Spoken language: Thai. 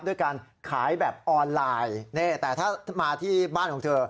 ด้วยการขายแบบออนไลน์นี่แต่ถ้ามาที่บ้านของเธอ